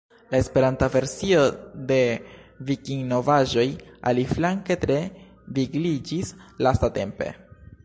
La Esperanta versio de Vikinovaĵoj aliflanke tre vigliĝis lastatampe.